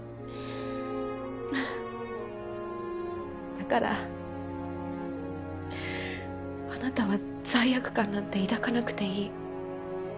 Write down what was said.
だからあなたは罪悪感なんて抱かなくていい。